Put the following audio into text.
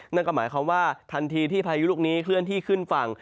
นั่นก็หมายความว่าทันทีที่พายุลูกนี้เคลื่อนที่ขึ้นฝั่ง